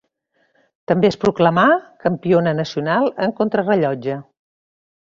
També es proclamà campiona nacional en contrarellotge.